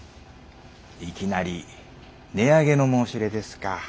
いきなり値上げの申し入れですか。